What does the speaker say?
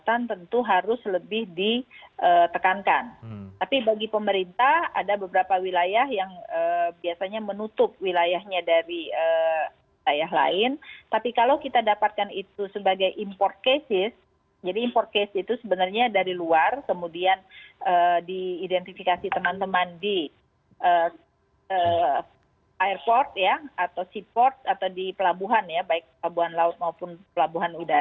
apakah sebelumnya rekan rekan dari para ahli epidemiolog sudah memprediksi bahwa temuan ini sebetulnya sudah ada di indonesia